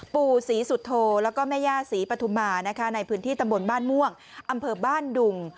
ปู่ศรีสุโธแล้วก็แม่ย่าศรีปฐุมานะคะในพื้นที่ตำบลบ้านม่วงอำเภอบ้านดุง